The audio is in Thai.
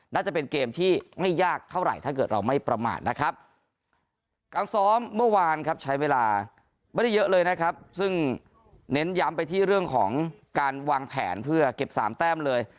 น่าจะเป็นเกมที่ไม่ยากเท่าไหร่ถ้าเกิดเราไม่ประมาทนะครับการซ้อมเมื่อวานครับใช้เวลาไม่ได้เยอะเลยนะครับซึ่งเน้นย้ำไปที่เรื่องของการวางแผนเพื่อเก็บ๓แต้มเลย